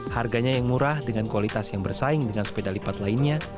harganya yang murah dengan kualitas yang bersaing dengan sepeda lipat lainnya